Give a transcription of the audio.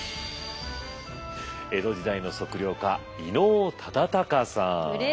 江戸時代の測量家伊能忠敬さん。